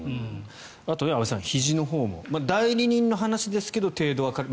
安部さん、ひじのほうも代理人の話だと程度は軽い。